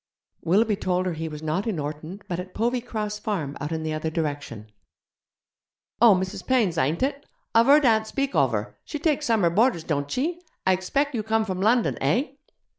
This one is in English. Willoughby told her he was not in Orton, but at Povey Cross Farm out in the other direction. 'Oh, Mrs. Payne's, ain't it? I've heard aunt speak ovver. She takes summer boarders, don't chee? I egspeck you come from London, heh?'